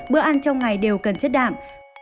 bữa ăn trong ngày đều cần chất đạm